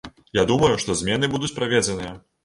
Я думаю, што змены будуць праведзеныя.